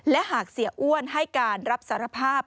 และหากเสียอ้วนให้การรับสารภาพ